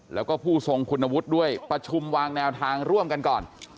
แล้วก็ผู้ทรงคุณวุฒิด้วยประชุมวางแนวทางร่วมกันก่อน